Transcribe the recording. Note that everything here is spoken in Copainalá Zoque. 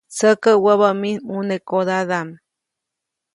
Tsäkä wäbä mij ʼmunekodadaʼm.